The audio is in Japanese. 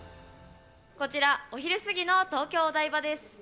こちら、お昼過ぎの東京・お台場です。